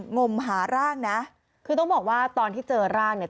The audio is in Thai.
งมหาร่างนะคือต้องบอกว่าตอนที่เจอร่างเนี่ย